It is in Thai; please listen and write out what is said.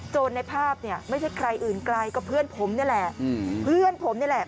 ในภาพเนี่ยไม่ใช่ใครอื่นไกลก็เพื่อนผมนี่แหละเพื่อนผมนี่แหละ